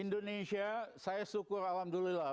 indonesia saya syukur alhamdulillah